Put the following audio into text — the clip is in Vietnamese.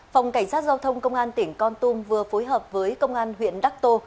phòng cảnh sát giao thông công an tỉnh con tum vừa phối hợp với công an huyện đắc tô